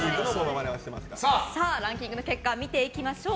ランキングの結果見ていきましょう。